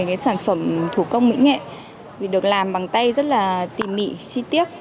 cái sản phẩm thủ công mỹ nghệ được làm bằng tay rất là tỉ mị chi tiết